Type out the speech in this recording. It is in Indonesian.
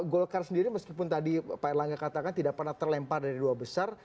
golkar sendiri meskipun tadi pak erlangga katakan tidak pernah terlempar dari dua besar